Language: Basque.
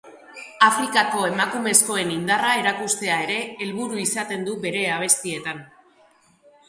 Afrikako emakumezkoen indarra erakustea ere helburu izaten du bere abestietan.